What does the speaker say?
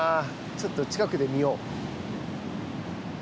ちょっと近くで見よう。